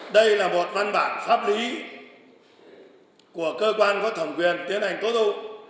đây là một văn bản pháp lý của cơ quan có thẩm quyền tiến hành tố tụng